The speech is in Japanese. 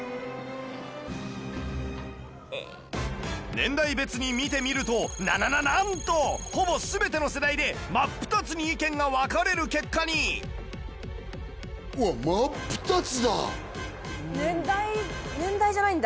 年代別に見てみるとななななんとほぼ全ての世代で真っ二つに意見が分かれる結果に年代。